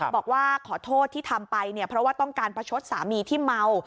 บอกว่าขอโทษที่ทำไปเนี่ยเพราะว่าต้องการประชดสามีที่เมา